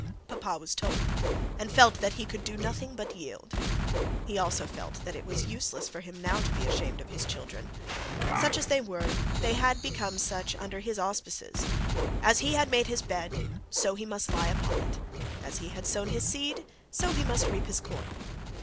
Papa was told, and felt that he could do nothing but yield. He also felt that it was useless of him now to be ashamed of his children. Such as they were, they had become such under his auspices; as he had made his bed, so he must lie upon it; as he had sown his seed, so must he reap his corn.